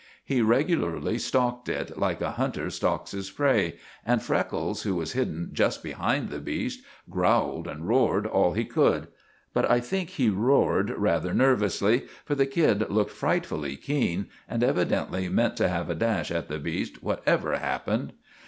He regularly stalked it, like a hunter stalks his prey, and Freckles, who was hidden just behind the beast, growled and roared all he could; but I think he roared rather nervously, for the kid looked frightfully keen, and evidently meant to have a dash at the beast, whatever happened.